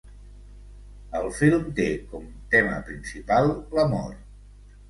El film té com tema principal l'amor.